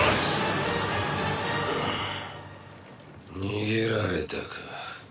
逃げられたか。